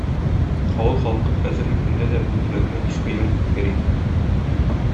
Авыл халкы хәзерге көндә дә бу төбәкне "Иске йорт" дип йөри.